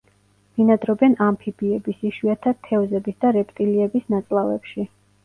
ბინადრობენ ამფიბიების, იშვიათად თევზების და რეპტილიების ნაწლავებში.